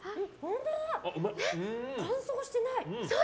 乾燥してない。